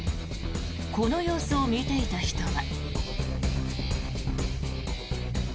この様子を見ていた人は。